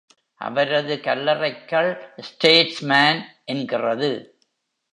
அவரது கல்லறைக்கல் Statesman என்கிறது.